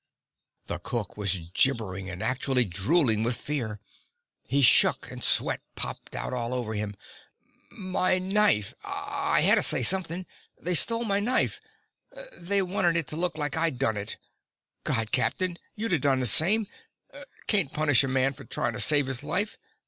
The cook was gibbering and actually drooling with fear. He shook, and sweat popped out all over him. "My knife I hadda say something. They stole my knife. They wanted it to look like I done it. God, Captain, you'da done the same. Can't punish a man for trying to save his life.